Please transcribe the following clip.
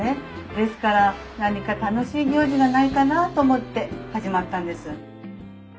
ですから何か楽しい行事がないかなと思って始まったんです。